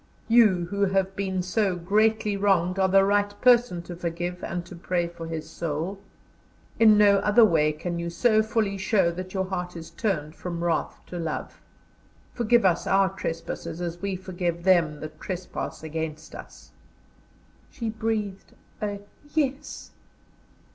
You who have been so greatly wronged are the right person to forgive and to pray for his soul. In no other way can you so fully show that your heart is turned from wrath to love. Forgive us our trespasses as we forgive them that trespass against us." She breathed a "Yes."